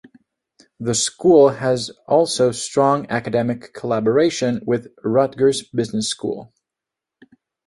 The school has also strong academic collaboration with Rutgers business school.